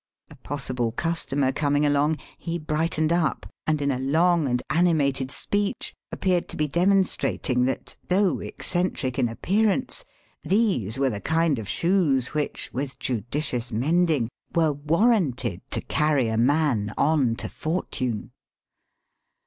A possible customer coming along, he brightened up, and in a long and animated speech appeared to be demonstrating that, though eccentric in appearance, these were the kind of shoes which, with judicious mending, were warranted to carry a man on to fortune.